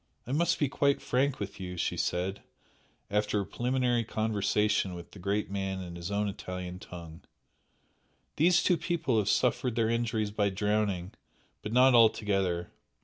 "I must be quite frank with you," she said, after a preliminary conversation with the great man in his own Italian tongue "These two people have suffered their injuries by drowning but not altogether.